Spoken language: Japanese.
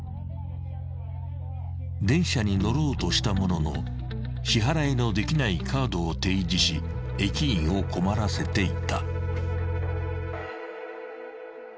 ［電車に乗ろうとしたものの支払いのできないカードを提示し駅員を困らせていた］